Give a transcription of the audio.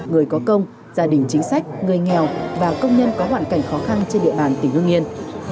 người có công gia đình chính sách người nghèo và công nhân có hoàn cảnh khó khăn trên địa bàn tỉnh hương yên